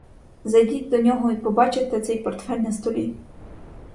Зайдіть до нього і побачите цей портфель на столі.